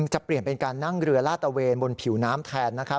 จะเปลี่ยนเป็นการนั่งเรือลาดตะเวนบนผิวน้ำแทน